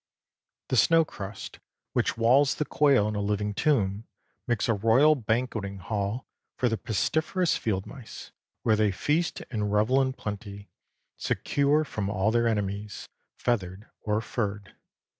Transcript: The snow crust, which walls the quail in a living tomb, makes a royal banqueting hall for the pestiferous field mice, where they feast and revel in plenty, secure from all their enemies, feathered or furred.